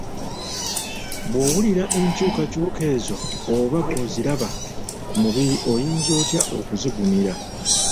Bw'owulira enkyukakyuka ezo oba bw'oziraba ku mubiri oyinza otya okuzigumira?